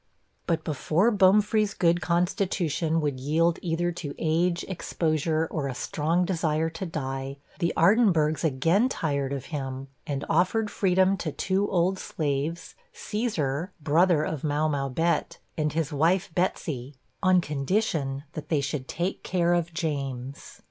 But before Bomefree's good constitution would yield either to age, exposure, or a strong desire to die, the Ardinburghs again tired of him, and offered freedom to two old slaves Caesar, brother of Mau mau Bett, and his wife Betsy on condition that they should take care of James.